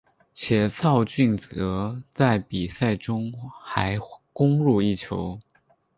且肇俊哲在比赛中还攻入一球。